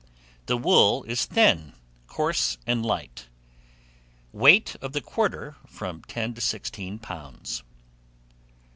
The wool is thin, coarse, and light. Weight of the quarter, from 10 to 16 lbs.